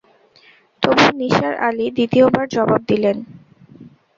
তবু নিসার আলি দ্বিতীয় বার জবাব দিলেন।